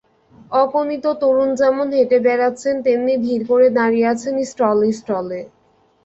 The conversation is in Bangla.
অগণিত তরুণ যেমন হেঁটে বেড়াচ্ছেন, তেমনি ভিড় করে দাঁড়িয়ে আছেন স্টলে স্টলে।